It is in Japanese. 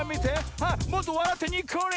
あっもっとわらってにっこり！